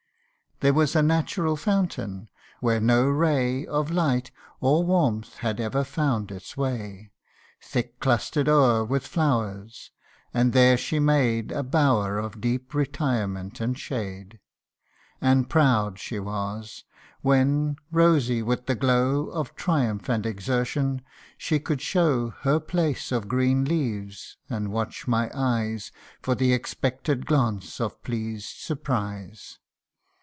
There was a natural fountain, where no ray Of light or warmth had ever found its way, Thick clustered o'er with flowers ; and there she made A bower of deep retirement and shade ; And proud she was, when, rosy with the glow Of triumph and exertion, she could show Her palace of green leaves, and watch my eyes For the expected glance of pleased surprise.